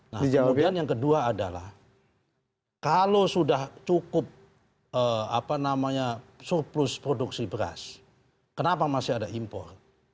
nah kemudian yang kedua adalah kalau sudah cukup surplus produksi beras kenapa masih ada impor